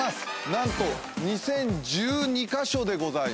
何と２，０１２カ所でございます。